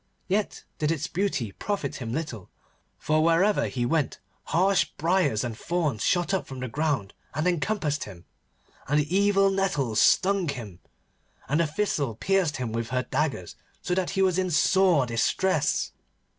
Yet did its beauty profit him little, for wherever he went harsh briars and thorns shot up from the ground and encompassed him, and evil nettles stung him, and the thistle pierced him with her daggers, so that he was in sore distress.